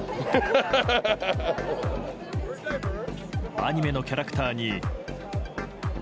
アニメのキャラクターに。